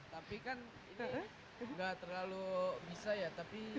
tapi kan ini nggak terlalu bisa ya